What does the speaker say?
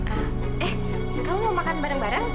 ah eh kamu mau makan bareng bareng